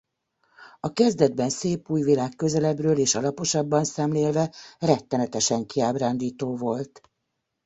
A kezdetben szép új világ közelebbről és alaposabban szemlélve rettenetesen kiábrándító volt.